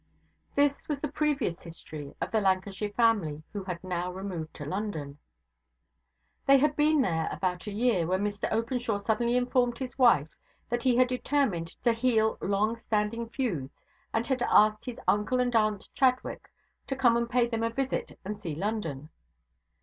This was the previous history of the Lancashire family who had now removed to London. They had been there about a year, when Mr Openshaw suddenly informed his wife that he had determined to heal long standing feuds, and had asked his uncle and aunt Chadwick to come and pay them a visit and see London.